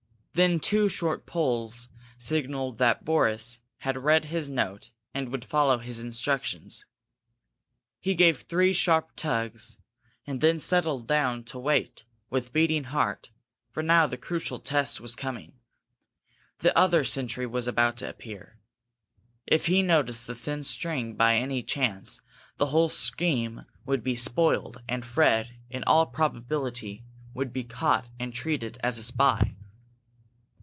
Then two short pulls signalled that Boris had read his note and would follow his instructions. He gave three sharp tugs, and then settled down to wait, with beating heart, for now the crucial test was coming. The other sentry was about to appear. If he noticed the thin string, by any chance, the whole scheme would be spoiled and Fred, in all probability, would be caught and treated as a spy.